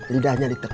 lidahnya di teguk